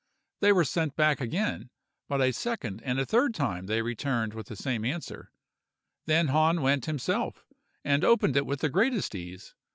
They were sent back again; but a second and a third time they returned with the same answer. Then Hahn went himself, and opened it with the greatest ease.